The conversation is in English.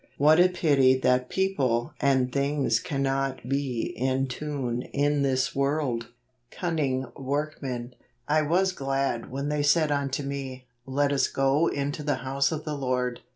What a pity that people and things can not be in tune in this world. Cunning Workmen. " I teas glad when they said unto me. Let us go into the house of the Lord.